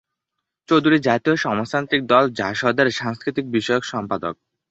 চৌধুরী জাতীয় সমাজতান্ত্রিক দল জাসদের সাংস্কৃতিক বিষয়ক সম্পাদক।